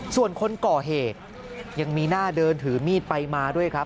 ส่วนคนก่อเหตุยังมีหน้าเดินถือมีดไปมาด้วยครับ